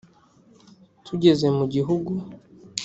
tugeze mu gihugu.